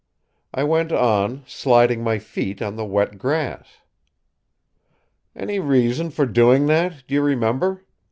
I went on, sliding my feet on the wet grass." "Any reason for doing that, do you remember?